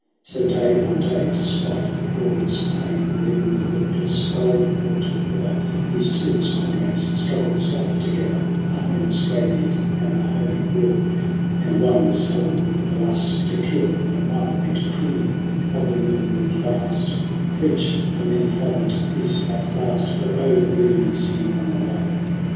So day on day, despite the crawler's pain, All in the windless, golden autumn weather, These two, as comrades, struggled south to gether The homeless graybeard and the homing rill : And one was sullen with the lust to kill, And one went crooning of the moon wooed vast; For each the many fathomed peace at last, But oh the boon of singing on the way